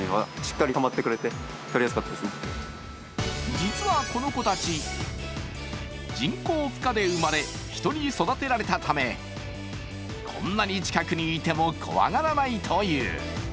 実はこの子たち、人工ふ化で生まれ、人に育てられたため、こんなに近くにいても怖がらないという。